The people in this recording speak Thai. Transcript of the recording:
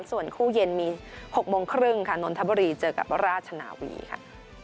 ส่วนคู่เย็นมี๖โมงครึ่งค่ะนนทบุรีเจอกับราชนาวีค่ะ